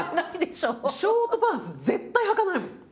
ショートパンツ絶対はかないもん。